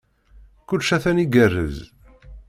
Kullec atan igerrez.